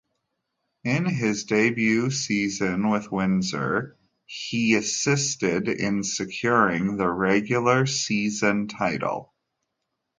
In his debut season with Windsor he assisted in securing the regular season title.